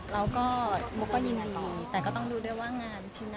เราก็ยินดีแต่ก็ต้องดูด้วยว่างานชิ้นนั้น